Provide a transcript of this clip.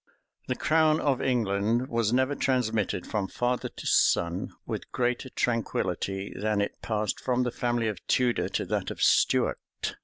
} The crown of England was never transmitted from father to son with greater tranquillity than it passed from the family of Tudor to that of Stuart.